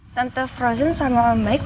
tante frozen selamat malam baik